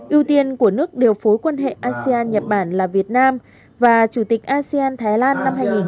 ưu tiên của nước điều phối quan hệ asean nhật bản là việt nam và chủ tịch asean thái lan năm hai nghìn hai mươi